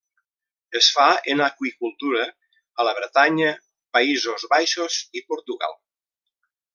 Es fa en aqüicultura a la Bretanya, Països Baixos i Portugal.